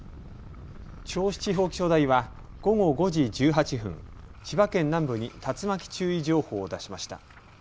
銚子地方気象台は午後５時１８分、千葉県南部に竜巻注意情報を出しました。